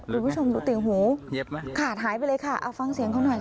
บริผู้ชมดูติ่งหูเหยียบไหมขาดหายไปเลยค่ะเอาฟังเสียงเขาหน่อยค่ะ